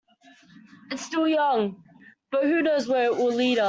It's still young, but who knows where it will lead us.